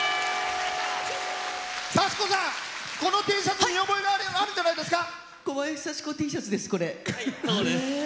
幸子さん、このＴシャツ見覚えあるんじゃないですか？